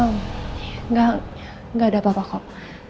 nggak ada apa apa pak